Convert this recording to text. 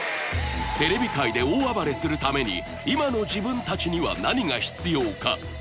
テレビ界で大暴れするために今の自分たちには何が必要か？